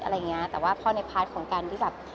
อะไรอย่างนี้แต่ว่าเพราะในพาร์ทของการที่แบบ